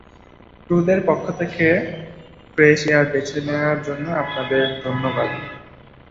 ক্রুদের পক্ষ থেকে, fresh air বেছে নেওয়ার জন্য আপনাদের ধন্যবাদ।